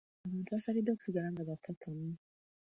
Abantu baasabiddwa okusigala nga bakakkamu.